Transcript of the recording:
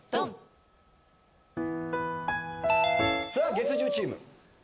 月１０チーム。